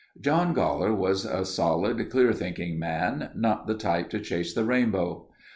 John Goller was a solid, clear thinking man—not the type to chase the rainbow.